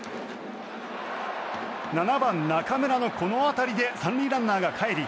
７番、中村のこの当たりで３塁ランナーがかえり